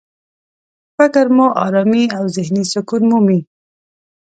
فکر مو ارامي او ذهني سکون مومي.